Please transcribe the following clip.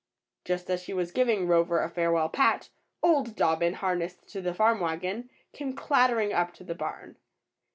Just as she was giving Rover a farewell pat, old Dobbin, harnessed to the farm wagon, came clattering up to the barn.